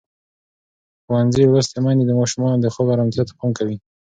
ښوونځې لوستې میندې د ماشومانو د خوب ارامتیا ته پام کوي.